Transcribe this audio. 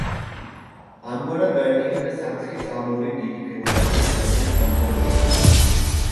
ამგვარად გაერთიანდა სამცხის ამ ორი დიდი ფეოდალური სახლის სამფლობელოები.